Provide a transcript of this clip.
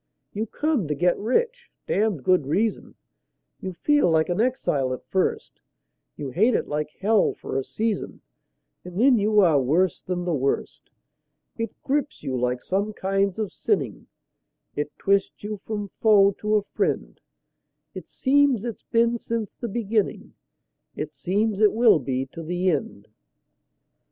You come to get rich (damned good reason); You feel like an exile at first; You hate it like hell for a season, And then you are worse than the worst. It grips you like some kinds of sinning; It twists you from foe to a friend; It seems it's been since the beginning; It seems it will be to the end.